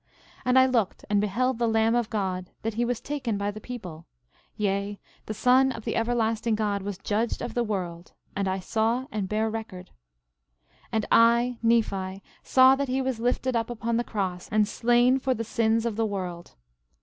And I looked and beheld the Lamb of God, that he was taken by the people; yea, the Son of the everlasting God was judged of the world; and I saw and bear record. 11:33 And I, Nephi, saw that he was lifted up upon the cross and slain for the sins of the world.